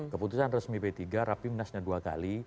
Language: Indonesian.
keputusan resmi p tiga rapimnasnya dua kali